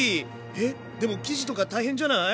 えっでも生地とか大変じゃない？